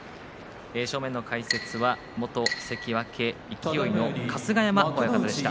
正面解説、元関脇勢の春日山さんでした。